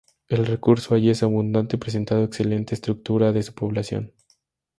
El recurso allí es abundante, presentado excelente estructura de su población.